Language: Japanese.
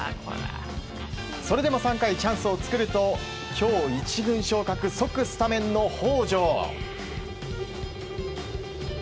それでも３回チャンスを作ると今日１軍昇格即スタメンの北條。